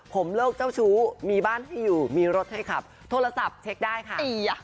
ผมเลิกเจ้าชู้มีบ้านให้อยู่มีรถให้ขับโทรศัพท์เช็คได้ค่ะ